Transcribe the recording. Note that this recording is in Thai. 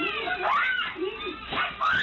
เวลาฮะนะครับคุณลูกค้าใหม่